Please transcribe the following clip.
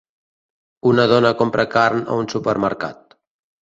Una dona compra carn a un supermercat.